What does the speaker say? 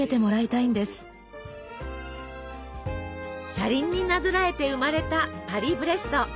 車輪になぞらえて生まれたパリブレスト。